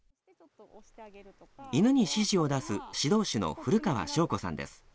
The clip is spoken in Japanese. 犬に指示を出す指導手の古川祥子さんです。